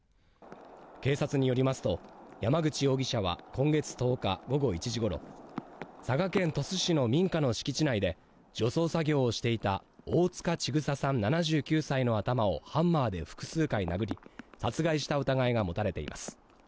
警察によりますと山口容疑者は今月１０日午後１時頃、佐賀県鳥栖市の民家の敷地内で除草作業をしていた大塚千種さん７９歳の頭をハンマーで複数回殴り、殺害した疑いが持たれています。